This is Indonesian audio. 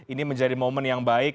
ini menjadi momen yang baik